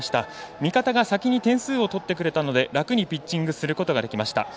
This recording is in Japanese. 味方が先に点数を取ってくれたので楽にピッチングすることができました。